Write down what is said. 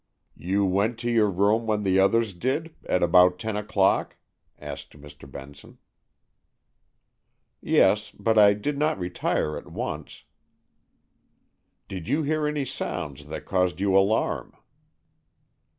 "You went to your room when the others did, at about ten o'clock?" asked Mr. Benson. "Yes, but I did not retire at once." "Did you hear any sounds that caused you alarm?"